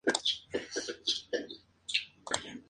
El tiñe en su totalidad un número limitado de neuronas al azar.